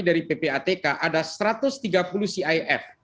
dari ppatk ada satu ratus tiga puluh cif